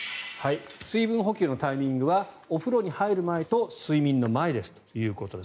水分補給のタイミングはお風呂に入る前と睡眠の前ということです。